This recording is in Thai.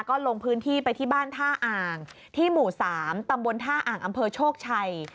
ก็ลงพื้นที่ไปที่บ้านท่าอ่างที่หมู่๓ตำบลท่าอ่างอำเภอโชคชัย